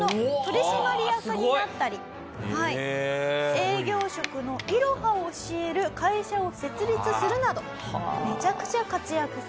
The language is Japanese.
営業職のイロハを教える会社を設立するなどめちゃくちゃ活躍されているすごい方なんでございます。